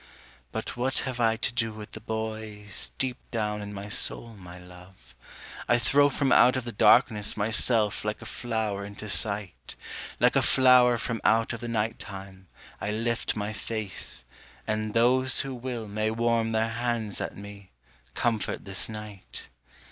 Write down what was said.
But what have I to do with the boys, deep down in my soul, my love? I throw from out of the darkness my self like a flower into sight, Like a flower from out of the night time, I lift my face, and those Who will may warm their hands at me, comfort this night.